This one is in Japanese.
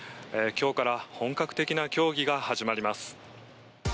今日から本格的な協議が始まります。